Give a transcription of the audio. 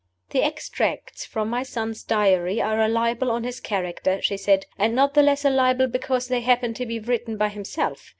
"The extracts from my son's Diary are a libel on his character," she said. "And not the less a libel because they happen to be written by himself.